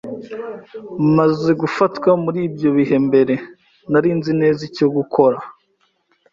Maze gufatwa muri ibyo bihe mbere, nari nzi neza icyo gukora.